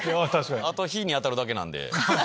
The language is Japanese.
あと日に当たるだけなんで。